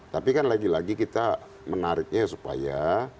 tapi kan lagi lagi kita menariknya supaya